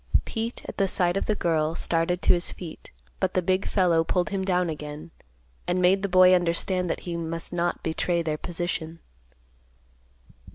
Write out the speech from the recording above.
Pete, at sight of the girl, started to his feet, but the big fellow pulled him down again, and made the boy understand that he must not betray their position.